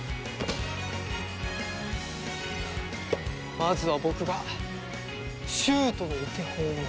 まずは僕がシュートのお手本を。